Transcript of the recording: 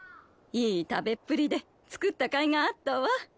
いい食べっぷりで作ったかいがあったわ。